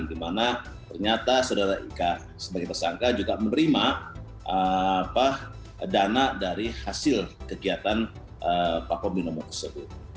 dimana ternyata saudara ika sebagai tersangka juga menerima dana dari hasil kegiatan pak pembinomo tersebut